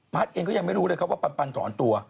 เองก็ยังไม่รู้เลยครับว่าปันถอนตัว